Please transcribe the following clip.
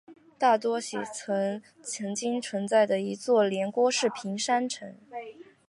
大多喜城曾经存在的一座连郭式平山城。